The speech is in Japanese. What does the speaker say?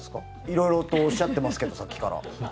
色々とおっしゃっていますけどさっきから。